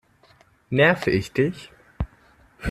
Nerve ich dich?